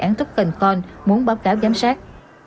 các dự án token coin muốn báo cáo giám sát